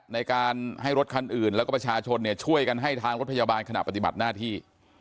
ในการให้รถคันอื่นแล้วก็ประชาชนช่วยกันให้ทางรถพยาบาลขณะปฏิบัติหน้าที่